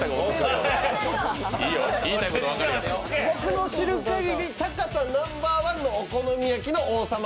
僕の知る限り高さナンバーワンのお好み焼きの王様。